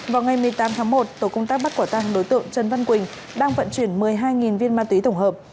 vào ngày một mươi tám tháng một tổ công tác bắt quả tăng đối tượng trần văn quỳnh đang vận chuyển một mươi hai viên ma túy tổng hợp